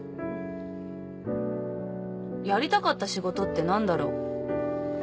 やりたかった仕事って何だろ？